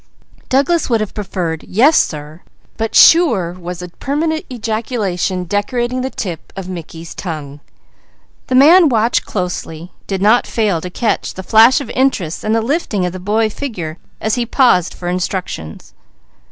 Douglas would have preferred "Yes sir," but "Sure!" was a permanent ejaculation decorating the tip of Mickey's tongue. The man watching closely did not fail to catch the flash of interest and the lifting of the boy figure as he paused for instructions.